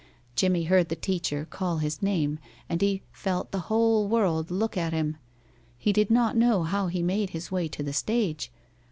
Jimmie heard the teacher call his name, and he felt the whole world look at him. He did not know how he made his way to the stage.